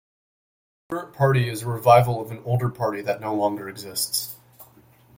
The current party is a revival of an older party that no longer exists.